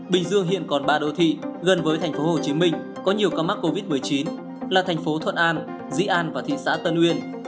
bình dương hiện còn ba đô thị gần với thành phố hồ chí minh có nhiều ca mắc covid một mươi chín là thành phố thuận an dĩ an và thị xã tân uyên